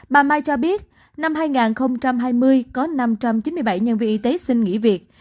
bà mai cho biết năm hai nghìn hai mươi có năm trăm chín mươi bảy nhân viên y tế xin nghỉ việc